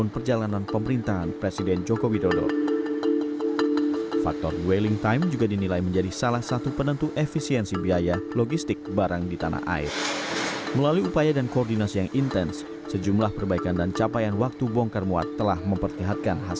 bagaimana kita mencari penyelesaian yang berbeda